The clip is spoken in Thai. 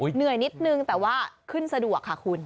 เหนื่อยนิดนึงแต่ว่าขึ้นสะดวกค่ะคุณ